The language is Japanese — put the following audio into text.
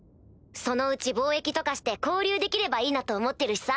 そのうち貿易とかして交流できればいいなと思ってるしさ。